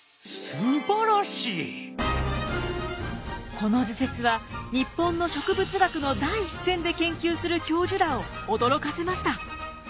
この図説は日本の植物学の第一線で研究する教授らを驚かせました。